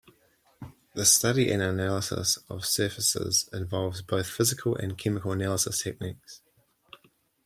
The study and analysis of surfaces involves both physical and chemical analysis techniques.